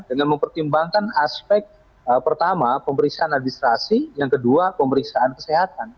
dengan mempertimbangkan aspek pertama pemeriksaan administrasi yang kedua pemeriksaan kesehatan